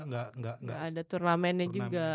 gak ada turnamennya juga